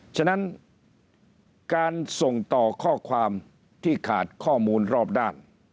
ฉะนั้นการส่งต่อข้อความที่ขาดข้อมูลรอบด้าน